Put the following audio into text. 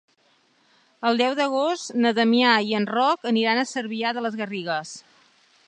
El deu d'agost na Damià i en Roc aniran a Cervià de les Garrigues.